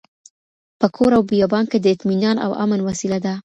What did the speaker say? په کور او بيابان کي د اطمئنان او امن وسيله ده.